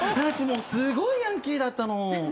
私すーごいヤンキーだったの。